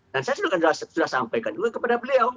dan saya sudah sampaikan juga kepada beliau